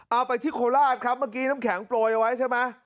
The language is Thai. เอาไปที่โคราชครับเมื่อกี้น้ำแข็งโปรยเอาไว้ใช่ไหม